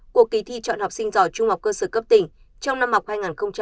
của kỳ thi chọn học sinh giỏi trung học cơ sở cấp tỉnh trong năm học hai nghìn hai mươi hai nghìn hai mươi